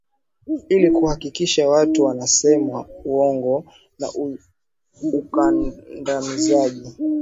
ili kuhakikisha watu wanasema uongo na ukandamizaji